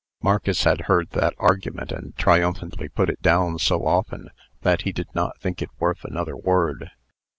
Marcus had heard that argument and triumphantly put it down so often, that he did not think it worth another word.